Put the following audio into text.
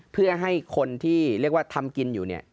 เพื่อให้คนที่เรียกว่าทำกินอยู่เนี่ย